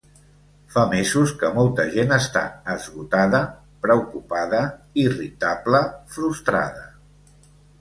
Fa mesos que molta gent està esgotada, preocupada, irritable, frustrada.